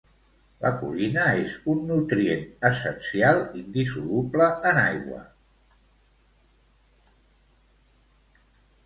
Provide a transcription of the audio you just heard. La colina és un nutrient essencial indissoluble en aigua.